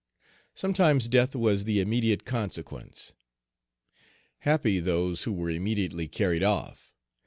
Sometimes death was the immediate consequence. Happy those who were immediately carried off!